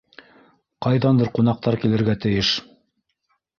Ҡайҙандыр ҡунаҡтар килергә тейеш.